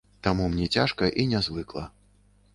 Таму мне цяжка і нязвыкла.